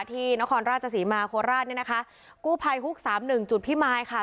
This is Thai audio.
ที่นครราชศรีมาโคราชเนี่ยนะคะกู้ภัยฮุกสามหนึ่งจุดพิมายค่ะ